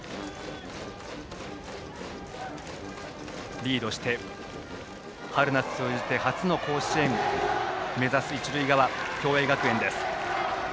リードして、春夏通じて初の甲子園を目指す一塁側、共栄学園。